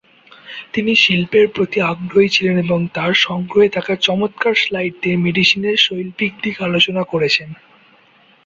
তিনি শিল্পের প্রতি আগ্রহী ছিলেন এবং তার সংগ্রহে থাকা চমৎকার স্লাইড দিয়ে মেডিসিনের শৈল্পিক দিক আলোচনা করেছেন।